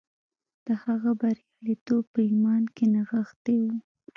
د هغه برياليتوب په ايمان کې نغښتی و.